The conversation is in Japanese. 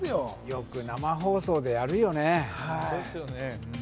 よく生放送でやるよね。